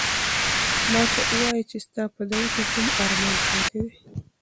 ما ته وایه چې ستا په زړه کې کوم ارمان پاتې دی؟